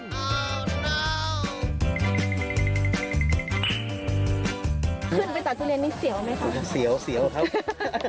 ขึ้นไปตัดทุเรียนนี้เสียวไหมครับ